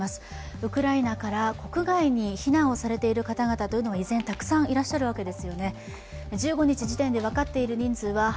ウクライナから国外に避難されている方々が依然、たくさんいらっしゃいます。